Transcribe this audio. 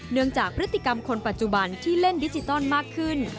จากพฤติกรรมคนปัจจุบันที่เล่นดิจิตอลมากขึ้น